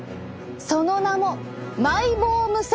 その名もマイボーム腺！